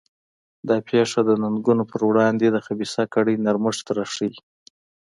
دا پېښه د ننګونو پر وړاندې د خبیثه کړۍ نرمښت راښيي.